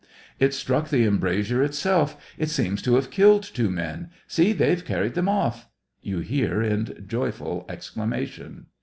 It struck the embrasure itself ; it seems to have killed two men — see, they've carried them off !" you hear in joyful exclamation.